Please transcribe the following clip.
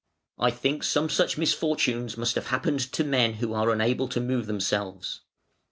I think some such misfortunes must have happened to men who are unable to move themselves.